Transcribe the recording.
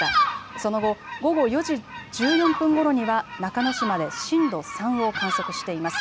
その後、午後４時１４分ごろには中之島で震度３を観測しています。